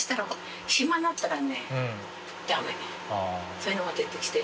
そういうのが出てきて。